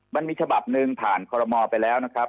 มันมีฉบับหนึ่งผ่านคอรมอลไปแล้วนะครับ